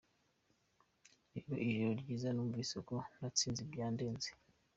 Rero ijoro rishize numvise ko natsinze byandenze.